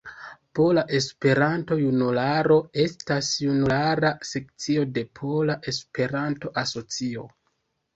Pola Esperanto-Junularo estas junulara sekcio de Pola Esperanto-Asocio.